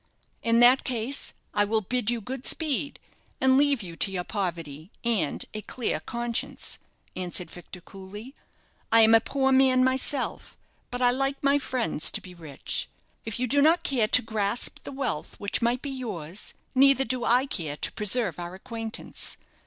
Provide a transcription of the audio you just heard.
"In that case, I will bid you good speed, and leave you to your poverty and a clear conscience," answered Victor, coolly. "I am a poor man myself; but I like my friends to be rich. If you do not care to grasp the wealth which might be yours, neither do I care to preserve our acquaintance.